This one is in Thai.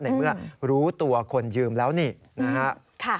ในเมื่อรู้ตัวคนยืมแล้วนี่นะครับ